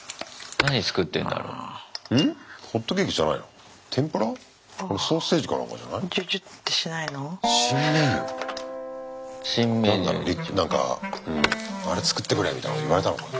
何だろうなんかあれ作ってくれみたいなこと言われたのかな。